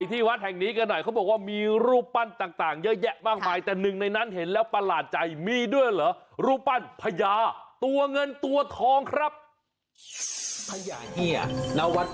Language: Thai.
ที่วัดแห่งนี้กันหน่อยเขาบอกว่ามีรูปปั้นต่างเยอะแยะมากมายแต่หนึ่งในนั้นเห็นแล้วประหลาดใจมีด้วยเหรอ